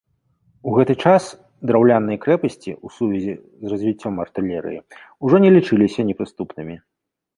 У гэты час, драўляныя крэпасці, у сувязі з развіццём артылерыі, ужо не лічыліся непрыступнымі.